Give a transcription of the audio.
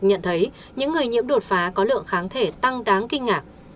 nhận thấy những người nhiễm đột phá có lượng kháng thể tăng đáng kinh ngạc